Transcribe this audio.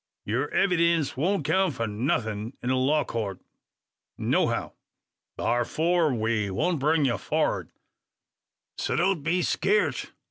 Yur evydince wouldn't count for nuthin' in a law court, nohow. Tharfor, we won't bring ye forrad; so don't you be skeeart.